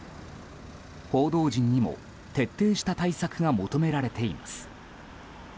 報道陣にも徹底した対策が求められています。